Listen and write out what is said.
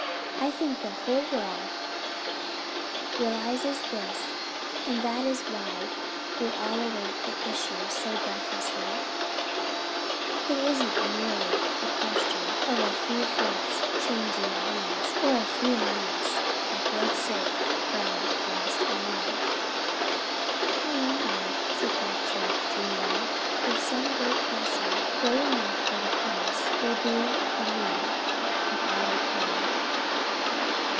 I think our whole world realizes this and that is why we all await the issue so breathlessly. It isn't merely the question of a few forts changing hands or a few miles of blood soaked ground lost and won." "I wonder," said Gertrude dreamily, "if some great blessing, great enough for the price, will be the meed of all our pain?